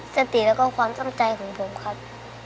สติแล้วก็ความตั้งใจของผมครับ